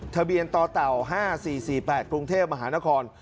ทะเบียนต่อเต่า๕๔๔๘พรุ่งเทพฯมหานคร